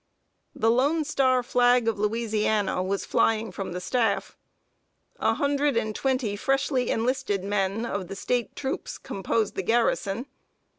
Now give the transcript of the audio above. The Lone Star flag of Louisiana was flying from the staff. A hundred and twenty freshly enlisted men of the State troops composed the garrison.